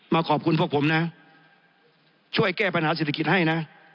มาขอบคุณพวกผมนะช่วยแก้ปัญหาเศรษฐกิจให้นะ